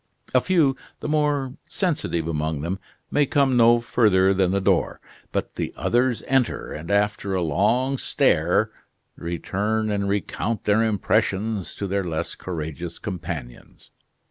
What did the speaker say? A few, the more sensitive among them, may come no further than the door, but the others enter, and after a long stare return and recount their impressions to their less courageous companions.